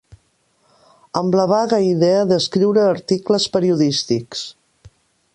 Amb la vaga idea d'escriure articles periodístics